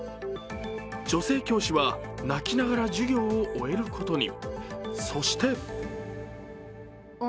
女性教師は泣きながら授業を終えることに。